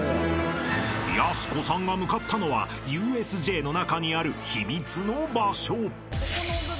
［やす子さんが向かったのはＵＳＪの中にある］